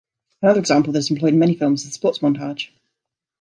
Another example that is employed in many films is the sports montage.